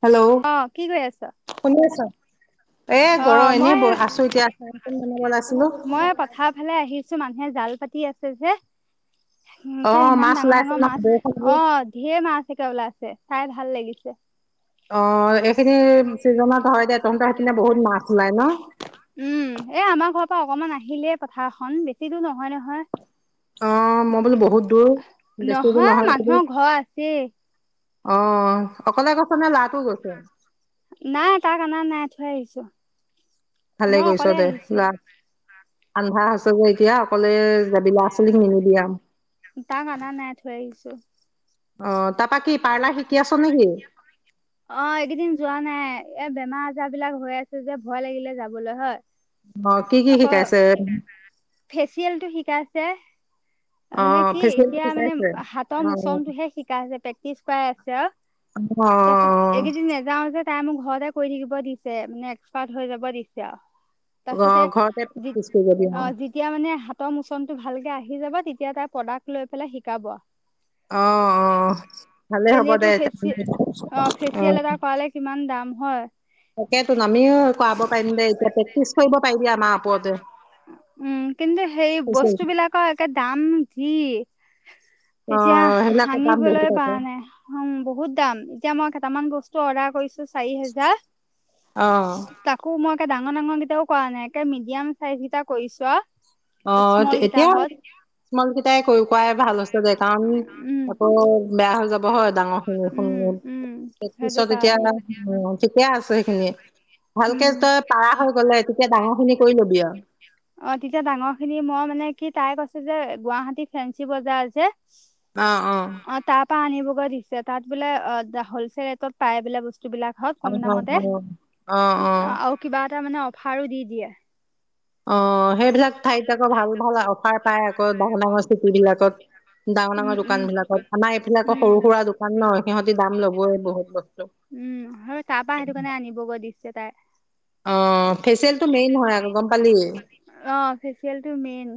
Hello অ কি কৰি আছ? শুনি আছ? এ অ গৰম এনেই মই ব আছো এতিয়া ফেন চেন বনাব লে আছিলো কিছু মানুহে জাল পাতি আছে যে অ এনেকে ইমান মাছ ডাঙৰ ওলাইছে ডাঙৰ ন মাছ বৰষুণ দি অ ধেৰ মাছ এতিয়া ওলাইছে। চাই ভাল লাগিছে। অ এইখিনি চিজনত হয় দে তহতৰ সেইপিনে বহুত মাছ ওলাই ন? উম এ আমাৰ ঘৰৰ পৰা অকমান আহিলে পথাৰখন বেছি দূৰ নহয় নহয় অ মই বোলো বহুত দূৰ বেছি দূৰ নহয় যদি মানুহৰ ঘৰ আছেই অ অকলে গৈছ নে ল'ৰাটো গৈছে? নাই তাৰ অনা নাই থৈ আহিছো ভালে মই কৈছ অকলে দে আহিছো ল আন্ধা হৈছে যে এতিয়া অকলে যাব ল'ৰা ছোৱালীক নিনি বি আও। তাক অনা নাই থৈ আহিছো অ তাৰ পা কি? পাৰ্লাৰ শিকি আছ নেকি অ এইকেইদিন যোৱা নাই এ বেমাৰ আজাৰ বিলাক হৈ আছে যে ভয় লাগিলে যাবলৈ হয়। আহ কি কি আকৌ শিকাইছে? ফেচিয়েল টো শিকাইছে অ মানে কি ফেচিয়েলটো এতিয়া মানে শিকাইছে হাতৰ অ মোচনটোহে শিকাইছে প্ৰেক্টিচ অ তাৰিছত অ এইকেইদিন নাযাও যে তাই ম ঘৰতে কৰি থাকিব দিছে মানে এক্সপাৰ্ট হৈ যাব দিছে আৰু। অ তাৰ পিছতে ঘৰতে প্ৰেক্টিচ কৰি যাবি অ অ যেতিয়া মানে হাতৰ মোচন টো ভালকে আহে আহি যাব তেতিয়া তাই প্ৰদাক লৈ পেলাই শিকাব আৰু। আহ অ ভালেই হ'ব এনেইতো দে ফেচি অ। ফেচিয়েল এটা কৰালে কিমান দাম হয় তাকেতো নামিও কৰাব পাৰিম দে, এতিয়া প্ৰেক্টিছ কৰিব পাৰিবি আমাৰ ওপৰতে। উম কিন্তু সেই অ বস্তু বিলাকৰ একে দাম যি এতিয়া সেইবিলাকৰ দাম বহুত সানিবলৈ আকৌ পৰা নাই উম বহুত দাম এতিয়া মই দুটামান বস্তু অৰ্ডাৰ কৰিছো চাৰি হাজাৰ। অ তাকো ডাঙৰ ডাঙৰ কেইটাও কৰা নাই একে মিডিয়াম চাইজ কেইটা কৰিছো আও। আহ এতিয়া স্মলকটাই কৈ কোৱাই ভাল হৈছে দে কাৰণ উম আকৌ বেয়া হৈ যাব হয় ডাঙৰ খিনি উম শুন উম সেইটো পিছত এতিয়া কাৰণে ঠিকে আছে সেইখিনিয়ে ভালকে উম তই পাৰা হৈ গলে তেতিয়া ডাঙৰ খিনি কৰি ল'বি আও। অ তেতিয়া ডাঙৰ খিনি মই মানে কি তাই কৈছ যে, গুৱাহাটী ফেঞ্চি বজাৰ যে আহ আহ। অ তাৰ আনিবগৈ দিছে তাত বোলে অ হলছেল ৰেটত পায় বোলে বস্তু বস্তুবিলাক হয় কম অ দামতে অ অ অ অ আৰু কিবা এটা মানে অফাৰো দি দিয়ে। অ সেইবিলাক ঠাইত আকৌ ভাল ভাল অফাৰ পায় আকৌ ডাঙৰ ডাঙৰ চিটি বিলাকত ডাঙৰ উম ডাঙৰ উম দোকান বিলাকত আমাৰ এইবিলাকৰ উম। সৰু সুৰা দোকান ন সিহঁতি দাম ল'বই বহুত বস্তু। [inaudible] আৰু তাৰ পৰা সেইটো কাৰণে আনিবগৈ দিছে তাই। অ ফেচিয়েলটো মেইন হয় আকৌ গম পালি। অ ফেচিয়েলটো মেইন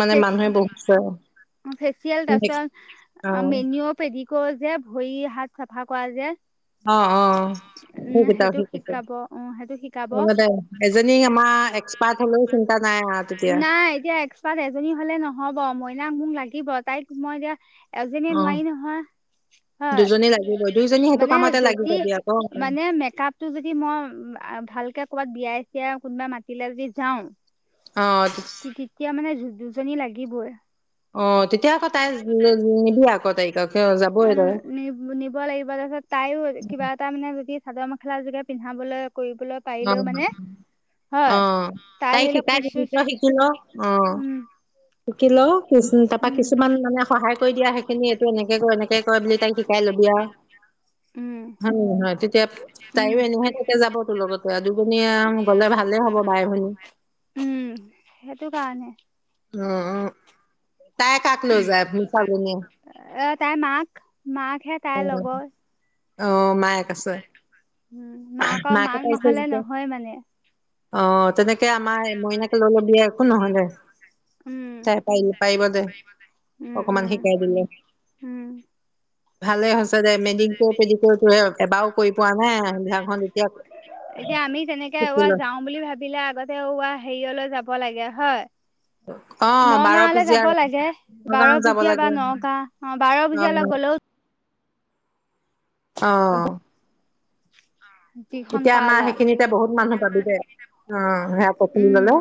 মানে মানুহে বহুত অ ফেচিয়াল তাৰপিছত অ', মেনিও, পেডিকিউৰ যে ভ হাত চাফা কৰা যে। অ অ উম হেইকেইটা সেইটো শিকিছে। শিকাব অ সেইটো শিকাব অ দে এজনী আমাৰ এক্সপাৰ্ট হলেও চ নাই এতিয়া এক্সপাৰ্ট এজনী হলে নহব, মইনাক মোক লাগিব তাইক মই এতিয়া এজনীয়ে অ'। নোৱাৰি নহয় দুজনী লাগিবই, দুইজনী হয়। সেইটো মানে কামতে লাগি যদি যাবি আকৌ, অ'। মানে মেকাপ টো যদি মই ভালকে কৰ'বাত বিয়াই চিয়াই কোনোবাই মাতিলে যদি যাওঁ, তেতিয়া মানে দুজনী লাগিবই। অ তেতিয়া আকৌ তাই নিবি আকৌ তাইক কিয় যাবই অ তাই। নি নিব লাগিব তাৰপিছত তাইও কিবা এটা মানে যদি চাদৰ মেখেলা যোগে পিন্ধাবলৈ কৰিবলৈ অ পাৰিলেও মানে অ হয় তাই তাইক ধৰি লওক শিকাই কোচ দিবি চুচ তই শিকিল। অ। উম শিকি ল কি তাৰ পৰা উম কিছুমান মানে সহায় কৰি দিয়া সেইখিনি এইটো এনেকে এনে কৈ মেলি তাইক শিকাই লবি আও উম এতিয়া উম তাইয়ো এনেহে থাকে যাব তোৰ লগতে, দুজনণীয়ে গ'লে ভালেই হ'ব বাই ভনী। উম সেইটো কাৰণে। উম উম তাই কাক ল যায় ভুচাজনিয়ে এ তাইৰ মাক মাকহে তাইৰ লগৰ আহ মায়েক আছে। উম মাকৰ মাকে মাক পাইছে নহলে যেতিয়া নহয় মানে আহ তেনেকে আমাৰ মইনাক দ একো নহলে উম তাই পাৰি পাৰিব ফে উম অকমান উম শিকাই দিলে। উম ভালে হৈছে দে মেদিনং ক পেডিক টোৱে এতিয়া আমি তেনেকে বাৰ যাও বুলি ভাবিলে আগতে ৱা হেৰিয়লৈ যাব লাগে হয় অ', নগাঁওলে বাৰপূজীয়া যাব লাগে। বাৰ নগাঁও যাব বুজিয়া বা লাগে নগা- অ' বাৰ বুজিয়াল অ', কলৈ অ'। যিখন এতিয়া আমাৰ পালা সেইখিনিতে বহুত মানুহ পাবি দে। অ' উম সেয়া [unintelligible]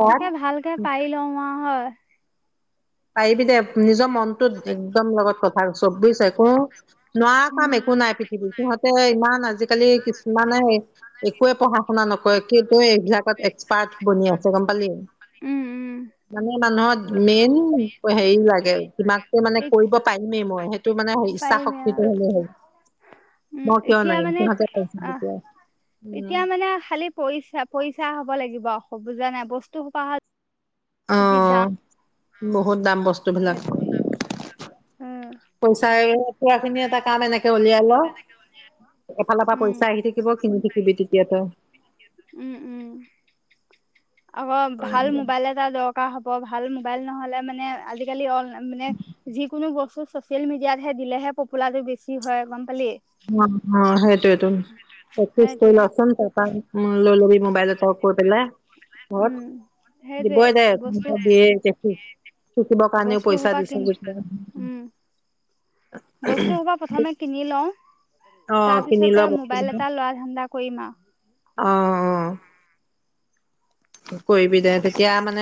সেয়াত তাকে, ভালকে পাৰি লওঁ অ' হয়। পাৰিবি দে। নিজৰ মনটোত একদম লগত কথা আৰু। ছ- বুইছা? একো নোৱাৰা কাম উম একো নাই পৃথিৱীত। তহঁতে ইমান আজিকালি কিছুমানে একোৱে পঢ়া-শুনা নকৰে। কিন্তু এই বিলাকত এক্সপাৰ্ট বনি আছে, গম পালি? মানে মানুহত মেইন হেৰি লাগে, কিবাকে মানে এতিয়া উম কৰিব পাৰিমে উম মই। সেই টো মানে এই ইচ্ছা পাৰিমে অ শক্তিটো হ'লেই হ'ল। উম, মই কিয় এতিয়া নোৱাৰিম মানে সিহঁতে পাৰিছে অ'- তেতিয়া উম এতিয়া মানে খালি পইছা- পইছা হ'ব লাগিব। হ বুজা নাই। বস্তুসোপা অ যি দাম বহুত দাম বস্তু বিলাক। সেইটোৱে উম পইচাই কৰাখিনি এটা কাম এনেকে উলিয়াই ল'। এফালৰ পৰা উম পইচা আহি থাকিব। কিনি থাকিবি কিয়টো উম - উম। আকৌ ভাল মোবাইল এটা দৰকাৰ হ ব। ভাল মোবাইল নহ'লে মানে আজিকালি অনলাই- মানে যি কোনো বস্তু ছচিয়েল মিডিয়াতহে দিলেহে হে পপুলাৰটো বেছি হয়, গম পালি? অ' সেইটোৱেটো। প্ৰেক্টিছ কৰি সেইটোৱে ল'চোন [inaudible] উম লৈ লবি মোবাইল এটা, কৈ পেলাই। ঘৰত। উম সেইটোৱে দিবই দে। বস্তু [unintelligible] শিকিব কাৰণেও বস্তু পইচা দিছে যেতিয়া। বস্তুসোপা প্ৰথমে কিনি লওঁ। অ তাৰ কিনি ল পিছতে মোবাইল বস্তুবিলাক এটা লোৱা ধান্দা কৰিম আও। অ' - অ'। কৰিবি দে। তেতিয়া মানে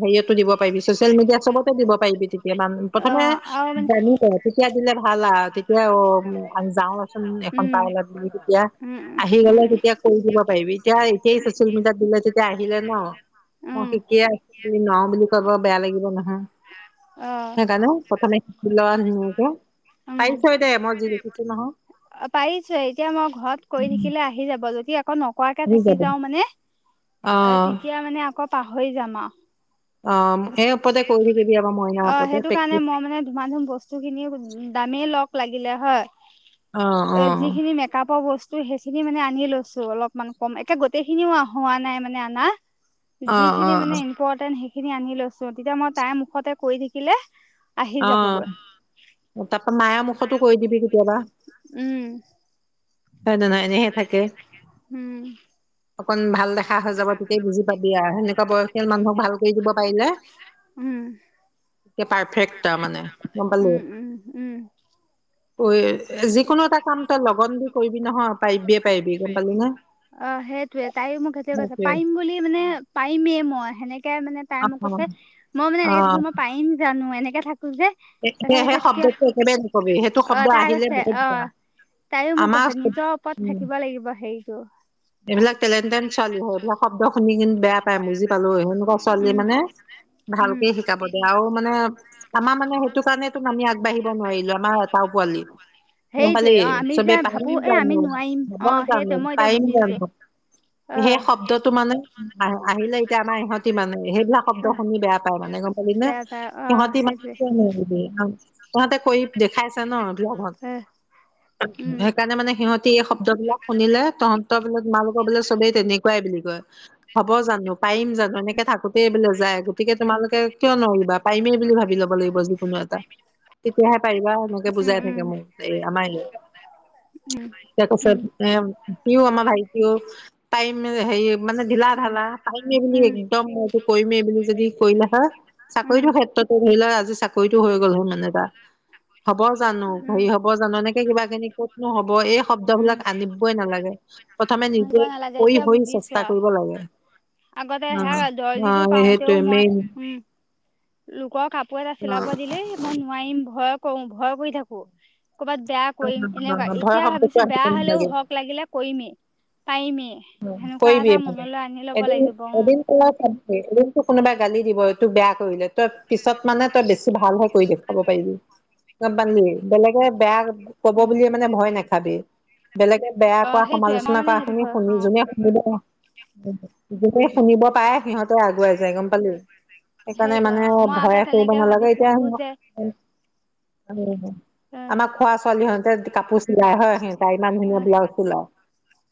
হেৰি ইয়াটো দিব পাৰিবি, ছচিয়েল মডিয়া চবতে দিব পাৰিবি তে তিয়া। অ প্ৰথমে আৰু মানে জানি ল'। তেতিয়া দিলে ভাল আৰু। তেতিয়া অ' মানে আমি যা উম [unintelligible] তেতিয়া, উম আহি উম গলে উম তেতিয়া কৰি দিব পাৰিবি। এতিয়া- এতিয়াই ছচিয়েল মিডিয়াত যেতিয়া আহিলে ন'। মই উম শিকিয়ে আছোঁ। তুমি ন বুলি কব বেয়া লাগিব নহয়। অ সেইকাৰণে প্ৰথমে শিকি লোৱা [inaudible] পাইছই দে, মই যি দেখিছোঁ নহয়। অ' পাৰিছোঁৱে। এতিয়া মই ঘৰত কৰি থাকিলে, আহি যাব। যদি আকৌ নক কৰাকে হৈ থাকি যাব যাওঁ মানে, অ'- তেতিয়া মানে আকৌ পাহৰি যাম আও। অ'। সেই ওপৰতে কৰি থাকিবি আমাৰ মইনাৰ অ' ওপৰতে সেইটো কাৰণে প্ৰেক্টিচ মই মানে ধুমা-ধুম বস্তুখিনি দামেই লওঁক লাগিলে হয়, অ অ এ যিখিনি মেকআপৰ ব স্তু সেইখিনি মানে আনি লৈছোঁ অলপমান কম। একে গোটেইখিনিও হোৱা নাই মানে আনা। অ অ যিখিনি অ মানে ইম্পৰ্টেন্ট, সেইখিনি আনি লৈছোঁ। তেতিয়া মই তাইৰ মুখতে কৰি থাকিলে আহি যাবগৈ অ' তাৰ পৰা মায়াৰ মুখতো কৰি দিবি কেতিয়াবা। উম। হয় নে নহয়? এনেহে থাকে। উম অকণ ভাল দেখা হৈ যাব, তেতিয়াই বুজি পাবি আও। সেনেকুৱা বয়সীয়াল মানুহক ভাল কৰি দিব পাৰিলে, উম তেতিয়া পাৰফেক তাৰ মানে। গম পালি? উম উম উম তই যিকোনো এটা কাম তই লগন দি কৰিবি নহয়, পাৰিবিয়ে পাৰিবি, গম পালি ন'? অ' সেইটোৱে। তাইয়ো মোক সেইটোৱে কৈছে, পাৰিম বুলি মানে পাৰিমেই মই সেনেকে মানে অ তাই মোক কৈছে। মই মানে অ এনেকে থাকি মই পাৰিম জানোঁ? এনেকে থা কো যে। সেই তাৰপিছত সেই কৈছে, শব্দটো একেবাৰে নকবি কিয়? সেইটো অ', শব্দ তাই আহিলে কৈছে বহুত অ' বেয়া তাইও মোক আমাৰ কৈছে নিজৰ ওপৰত উম থাকিব লাগিব হেৰিটো। এইবিলাক টলেণ্টেন ছোৱালী হয় এইবিলাক শব্দ শুনি কিন্তু বেয়া পায় মুজি পালো সেনেকুৱা ছোৱালী উম মানে উম ভালকে শিকাব দিয়ে আৰু মানে। আমাৰ মানে সেইটো কাৰণেতো আমি আগবাঢ়িব নোৱাৰিলো আমাৰ এটাও পোৱালি সেইটোৱে নাপালে অ আমি চবে এতিয়া ভাবো পায়ম এ আমি জানো নোৱাৰিম হব অ জানো সেইটোৱে মই এতিয়া পায়ম [unintelligible] বুজিছো অ সেই শব্দটো মানে আহ আহিলে এতিয়া আমাৰ ইহঁতি মানে। সেইবিলাক শব্দ শুনি বেয়া পায় মানে গম পালি নে? বেয়া পাই অ সিহঁতি মান সেইটোৱে [inaudible] তহঁতে কৰি দেখাইছো নলত উম সেইকাৰণে মানে সিহঁতি [unintelligible] শুনিলে তহ চব বোলে, তোমালোকৰ বোলে, চবেই তেনেকুৱাই বুলি কয়। হ'ব জানো, পাৰিম জানো, এনেকে থাকোতে বোলে যায়। গতিকে তোমালোকে কিয় নোৱাৰিবা পাৰিমেই বুলি ভাবি ল'ব লাগিব যিকোনো এটা তেতিয়াহে পাৰিবা সেনেকে উম বুজাই উম থাকে মোক এই আমাৰ উম তাৰ উম পছত পও আমাৰ ভাইটও তাইম হেই মানে ঢিলা উম ঢালা পাইমেই বুলি উম, একদম মইটো কৰিমেই বুলি যদি কৰিলা হয়। উম, চাকৰিটোৰ ক্ষেত্ৰতো ধৰি লওক আজি চাকৰিতটো হৈ গ'ল হ মানে তটা হ'ব জানো উম, হেৰি হ'ব জানো? এনেকে কিবা খিনি ক'তনো হ'ব? এই উম, শব্দবিলাক আনিবই নালাগে প্ৰথমে দিব নিজে নালাগে কৰি এতিয়া হৈ বুজিছো চেষ্টা আৰু কৰিব লাগে। আগতে হে অ', দৰ্জী টো অ', পাওঁতেও সেইটোৱে মই মেইন উম। লোকৰ কাপোৰ এটা চিলাব দিলে মই নোৱাৰিম ভয় কৰো ভয় কৰি থাকো কৰ'বাত বেয়া কৰিম এনেকুৱা ভয় এতিয়া শব্দটো ভাবিছো আহিব বেয়া হলেও নালাগে হক লাগিলে কৰিমেই। পাৰিমেই অঁ, সেনেকুৱা কয়িবি এটা এইফালে। মনলৈ আনি ল'ব এদিন, লাগিব উম, এদিন কওৱা পা ৰুমটো কোনোবাই গালি দিব এইটো বেয়া কৰিলে তই পিছত মানে তই বেছি ভালহে কৰি দেখোঁৱাব পাৰিবি। কত বান্ধলি বেলেগে বেয়া কব উম। বুলিয়ে মানে ভয় নাখাবি বেলেগে বেয়া অ', কৰা সেইটোয়ে মই সমালোচনা মানে কৰা সেইটো শুনি ভয় শুনি খাওঁ যোনে শুনিব যোনে উম। শুনিব পাৰে সিহঁত। ত আগুৱাই যায় গম পালি। সেইকাৰণে সেইটোৱে মানে অ', মই আকৌ ভয় কৰিব তেনেকে ভাবি নালাগে এতিয়া। ভাবো যে আহ। আমাৰ খোৱা ছোৱালী হতে কাপোৰ চিলাই হয় সিহ ত ইমান ধুনীয়া আহ ব্লাউজ ওলাও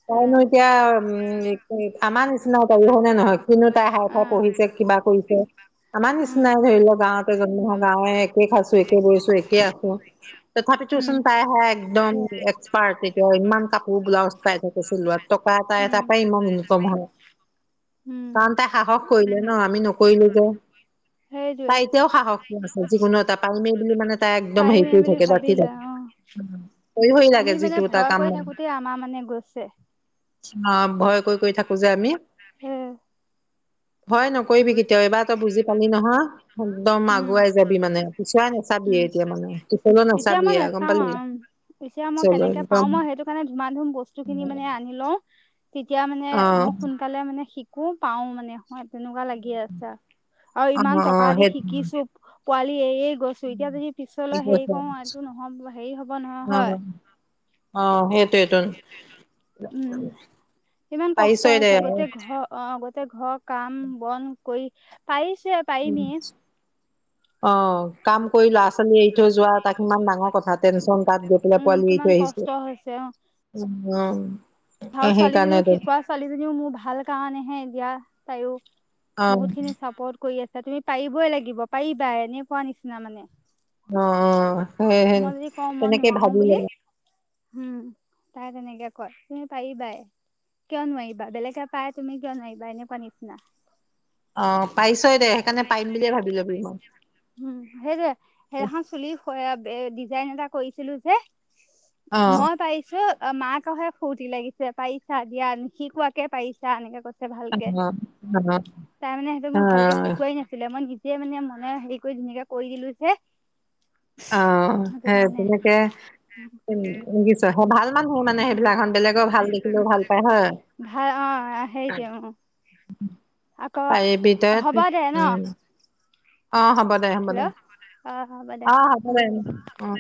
তাইন এতিয়া উম আমাৰ নিচিনা তাইও হ'য়নে, নহয়, কিন্তু তাই হাই - আহ। ফাই আহ। পঢ়িছে, কিবা কৰিছে। আমাৰ উম নিচিনাই ধৰি লোৱা গাঁৱতে জন্ম হোৱা গাঁৱে একে খাইছো একে বৈছো একে আ ত তথাপি উম তুচোন তাই হে একদম এক্সপাৰ্ট এতিয়া ইমান কাপোৰ ব্লাউজ পাই থাকে চিলোৱাত। টকা এটা উম। এটপাই [unintelligible] উম তান তাই সাহস কৰিলে ন আমি নকৰিলে যে সেইটোৱে তাই এতিয়াও সাহসী আছে যিকোনো এটা আল্টিমেট বুলি মানে তাই একদম হেই পাৰিমে কৰি বুলি থাকে। ভাবি ভৎকি যায়। লয় অ আমি মানে ভয় কৰি থাকোতে আমাৰ মানে গৈছে। অ ভয় কৰি কৰি থাকো যে আমি। হম ভয় নকৰিবি কেতিয়াও এবাৰ তই বুজি পালি নহয়। একদম উম। আগুৱাই যাবি মানে পিছুৱই নাচাবি উম এতিয়া মানে পিছলৈও নাচাবিে গম পালি। পিছে মই পিছলৈ কেনেকে পাও একদম মই সেইটো কাৰণে ধুমান ধুম বস্তু খিনি মানে আনি লওঁ। তেতিয়া মানে অ মই সোনকালে মানে শিকো পাও মানে হয় তেনেকুৱা লাগি আছে আৰু অ ইমান অ টকা দি সেইটো শিকিছো পোৱালি গৈছো। এতিয়া যদি পিছলৈ ঠিক হেৰি কৈছ। কৰো এইটো নহ'ব, হেৰি হ'ব নহয় অ হ'য়। অ সেই উম ইমান কষ্ট পাৰিছই দে হৈছে আৰু গোতেই ঘৰ অ। টেই ঘৰৰ কাম - বন কৰি পাৰিছে পাৰিনিয়ে। অঁ, কাম কৰি ল'ৰা -ছোৱালী এৰি থৈ যোৱা, তাক ইমান ডাঙৰ কথা, টেনচন তাত গৈ পেলাই উম পোৱালি এৰি কিমান থৈ কষ্ট আহিছো উ। ভাল ছোৱালীজনীও, শিকোৱা ছোৱালীজনীও মোৰ ভাল কাৰণেহে দিয়া তাইও অ বহুত খিনি চাৰ্পট কৰি আছা। তুমি পাৰিবই লাগিব, পাৰিবাই এনেকোৱা নিচিনা মানে। অ স মই যদি কওঁ মই তেনেকেই নোৱাৰো ভাবি বুলি লে উম তাই তেনেকে কয়। তুমি পাৰিবাই কিয় নোৱাৰিবা বেলেগে পাই তুমি কিয় নোৱাৰিবা এনেকুৱা নিচিনা। অ পাইছই দে সেইকাৰণে পাৰিম বুলিয়ে ভাবি লবি মই উম সেইটো সেইদিনা খন চুলি ডিজাইন এটা কৰিছিলো যে অ মই পাইছো। অঁ মাকহে ফূৰ্তি লাগিছে। পাৰিছা দিয়া, নিশিকোৱাকে পাৰিছা, এনেকে কৈছে। অ', ভালকে তাৰমানানে সেইহটো অ', মোক ভালকে শিকোৱাই নাছিলে মই নি যে মানে মনে হেৰি কৰি ধুনিয়াকে কৰি দিলো যে। অঁ সেইটো কাৰণে এইবিলাকে উম কিছ ভাল মানুহ মানে উম, সেইবিলাখন বেলেগৰ ভাল দেখিলেও ভাল পায় হয় ভাল অ সেইটোৱে ম আকৌ পাৰিবি তই হব দে ন? উম, অ হ'ব দে হ'ব দে হেল্ল' অ হ'ব দে হ'ব অ দে উম।